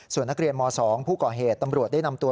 ส่วนนักเรียนม๒ผู้ก่อเหตุตำรวจได้นำตัว